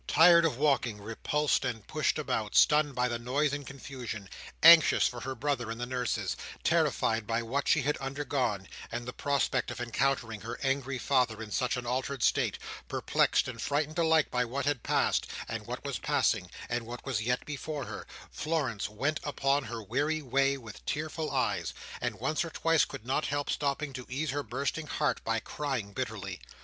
Tired of walking, repulsed and pushed about, stunned by the noise and confusion, anxious for her brother and the nurses, terrified by what she had undergone, and the prospect of encountering her angry father in such an altered state; perplexed and frightened alike by what had passed, and what was passing, and what was yet before her; Florence went upon her weary way with tearful eyes, and once or twice could not help stopping to ease her bursting heart by crying bitterly.